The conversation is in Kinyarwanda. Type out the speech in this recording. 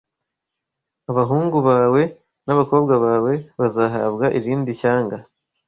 Abahungu bawe n’abakobwa bawe bazahabwa irindi shyanga